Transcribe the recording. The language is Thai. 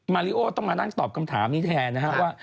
ริโอต้องมานั่งตอบคำถามนี้แทนนะครับว่า